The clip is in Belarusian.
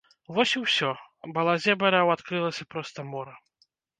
Вось і ўсё, балазе бараў адкрылася проста мора.